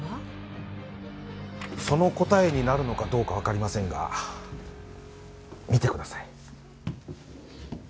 その答えになるのかどうかわかりませんが見てください。